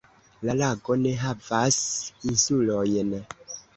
La lago ne havas insulojn.